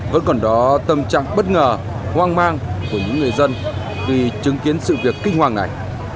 vẫn còn đó tâm trạng bất ngờ hoang mang của những người dân vì chứng kiến sự việc kinh hoàng này